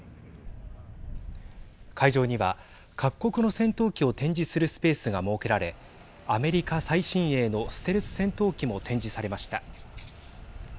会場には各国の戦闘機を展示するスペースが設けられアメリカ最新鋭のステルス戦闘機も展示されました。